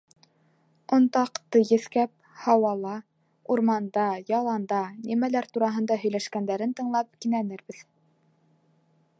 Онтаҡты еҫкәп, һауала, урманда, яланда нимәләр тураһында һөйләшкәндәрен тыңлап кинәнербеҙ!